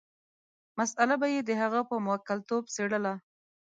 مساله به یې د هغه په موکلتوب شاربله.